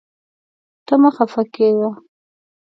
ته مه خفه کېږه.